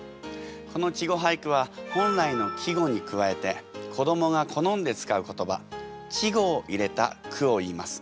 この稚語俳句は本来の季語に加えて子どもが好んで使う言葉稚語を入れた句をいいます。